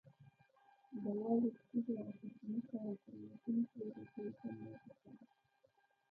د واورې سپینو او پر ځمکه راپرېوتونکو غټیو ته مو کتل.